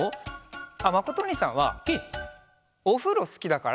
あっまことおにいさんはおふろすきだから。